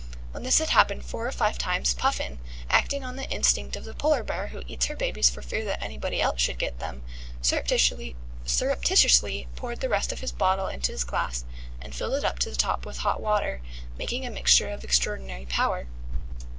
When this had happened four or five times, Puffin, acting on the instinct of the polar bear who eats her babies for fear that anybody else should get them, surreptitiously poured the rest of his bottle into his glass, and filled it up to the top with hot water, making a mixture of extraordinary power.